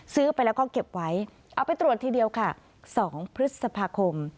ซื้อไปแล้วก็เก็บไว้เอาไปตรวจทีเดียวค่ะ๒พฤษภาคม